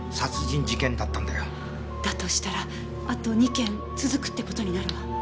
だとしたらあと２件続くって事になるわ。